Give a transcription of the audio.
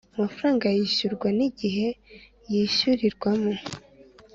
amafaranga yishyurwa n igihe yishyurirwamo